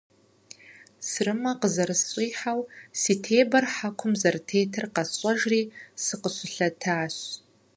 Сырымэ къызэрысщӏихьэу, си тебэр хьэкум зэрытетыр къэсщӏэжри, сыкъыщылъэтащ.